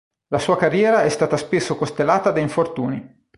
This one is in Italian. La sua carriera è stata spesso costellata da infortuni.